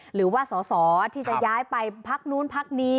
หรือว่าสอสอที่จะย้ายไปพักนู้นพักนี้